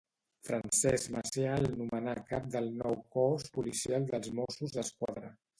Francesc Macià el nomenà cap del nou cos policial dels Mossos d'Esquadra.